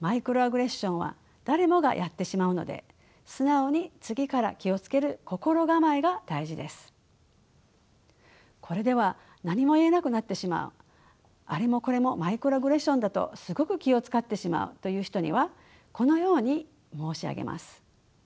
マイクロアグレッションは誰もがやってしまうのでこれでは何も言えなくなってしまうあれもこれもマイクロアグレッションだとすごく気を遣ってしまうという人にはこのように申し上げます。